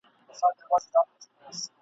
په افغانستان کي د مخدره توکو وده ..